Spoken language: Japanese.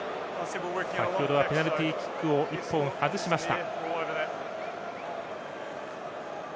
先ほどはペナルティキックを１本外しました。